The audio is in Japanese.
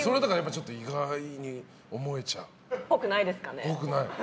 っぽくないですかね。